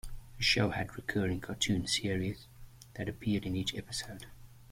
The show had recurring cartoon series that appeared in each episode.